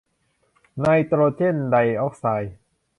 ไนโตรเจนไดออกไซด์